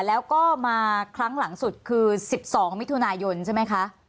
แล้วก็มาครั้งหลังสุดคือ๑๒มิถุนายนใช่ไหมคะ